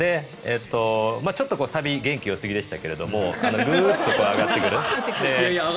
ちょっとサビ元気よすぎでしたけれどグーっと上がってくる。